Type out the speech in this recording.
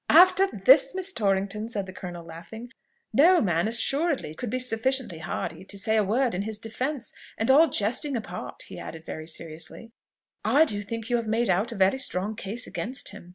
"After this, Miss Torrington," said the Colonel, laughing, "no man assuredly could be sufficiently hardy to say a word in his defence; and, all jesting apart," he added very seriously, "I do think you have made out a very strong case against him.